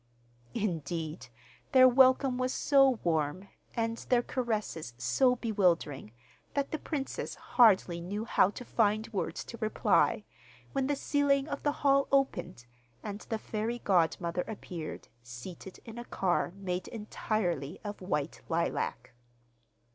Indeed, their welcome was so warm, and their caresses so bewildering, that the princess hardly knew how to find words to reply, when the ceiling of the hall opened, and the fairy godmother appeared, seated in a car made entirely of white lilac.